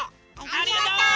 ありがとう！